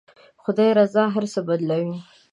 د خدای رضا هر څه بدلوي.